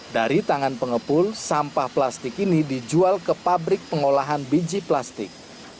dari tangan pengepul sampah plastik ini dijual ke pabrik pengolahan biji plastik